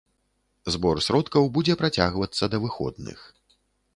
Збор сродкаў будзе працягвацца да выходных.